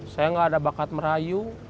saya nggak ada bakat merayu